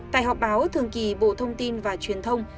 tại họp báo thường kỳ bộ thông tin và truyền thông